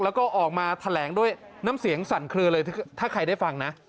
แล้วก็ออกมาแถลงด้วยน้ำเสียงสั่นเคลือเลยถ้าใครได้ฟังนะ